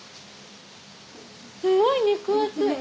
すごい肉厚！